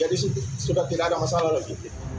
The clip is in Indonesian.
jadi sudah tidak ada masalah lagi